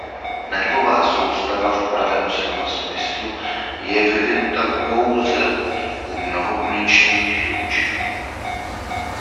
Nervová soustava v pravém slova smyslu je vyvinuta pouze u mnohobuněčných živočichů.